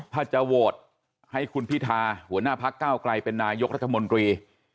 ถ้าจะโหวตให้คุณพิธาหัวหน้าพักเก้าไกลเป็นนายกรัฐมนตรี